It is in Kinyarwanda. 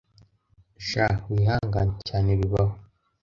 Sha wihangane cyane bibaho